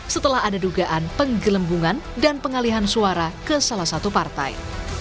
setelah ada dugaan penggelembungan dan pengalihan suara ke salah satu partai